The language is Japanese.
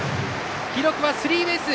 記録はスリーベース。